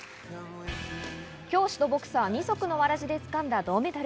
教師とボクサー二足のわらじで掴んだ銅メダル。